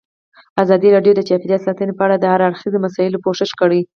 ازادي راډیو د چاپیریال ساتنه په اړه د هر اړخیزو مسایلو پوښښ کړی.